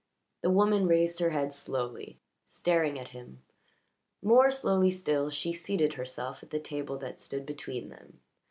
The woman raised her head slowly, staring at him; more slowly still she seated herself at the table that stood between them.